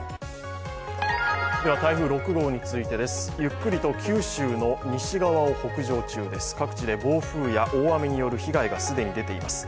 台風６号についてです、ゆっくりと九州の西側を北上中です、各地で暴風や大雨による被害が既に出ています。